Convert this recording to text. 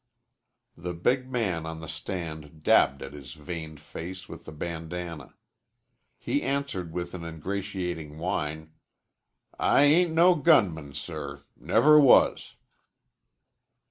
The big man on the stand dabbed at his veined face with the bandanna. He answered, with an ingratiating whine. "I ain't no gunman, sir. Never was."